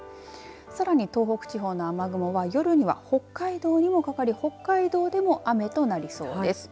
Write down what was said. さらに東北地方の雨雲は夜には北海道にもかかり北海道でも雨となりそうです。